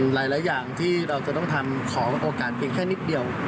หลายอย่างที่เราจะต้องทำขอโอกาสเพียงแค่นิดเดียว